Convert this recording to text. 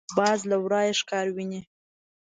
باز له ورايه ښکار ویني